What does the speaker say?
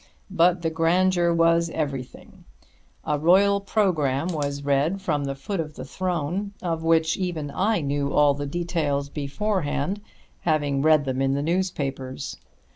But the grandeur was everything. A royal programme was read from the foot of the throne, of which even I knew all the details beforehand, having read them in the newspapers.